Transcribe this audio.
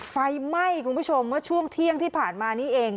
ไฟไหม้คุณผู้ชมเมื่อช่วงเที่ยงที่ผ่านมานี้เอง